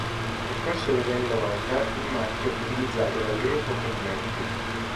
Nel corso degli anni novanta il marchio fu utilizzato dal Gruppo Formenti.